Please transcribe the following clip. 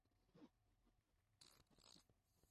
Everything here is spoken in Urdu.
لاطینی